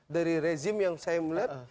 dari rezim yang saya melihat